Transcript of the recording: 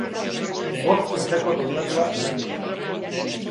Bost urteko kontratua sinatu du.